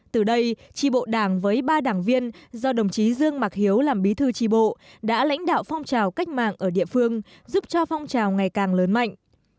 từ đây tri bộ đảng với ba đảng viên do đồng chí dương mạc hiếu làm bí thư tri bộ đã lãnh đạo phong trào cách mạng ở địa phương giúp cho phong trào ngày càng lớn mạnh